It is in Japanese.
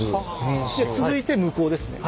続いて向こうですね。